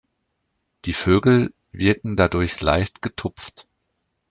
Die Vögel wirken dadurch leicht getupft.